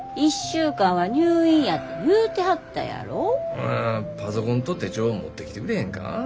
ほなパソコンと手帳持ってきてくれへんか。